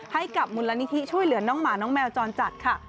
ให้กับมูลนิธิช่วยเหลือน้องหมาน้องแมวจรจัดค่ะ